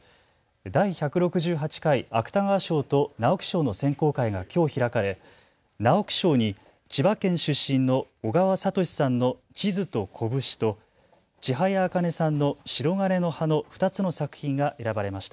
第１６８回芥川賞と直木賞の選考会がきょう開かれ直木賞に千葉県出身の小川哲さんの地図と拳と千早茜さんのしろがねの葉の２つの作品が選ばれました。